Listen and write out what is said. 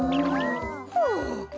はあ。